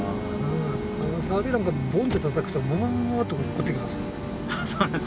さびなんかボンッてたたくとボボボボボッと落っこってきます。